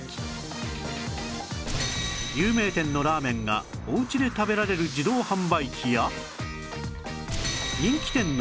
有名店のラーメンがおうちで食べられる自動販売機や